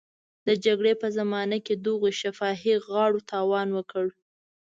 د جګړې په زمانه کې دغو شفاهي غاړو تاوان وکړ.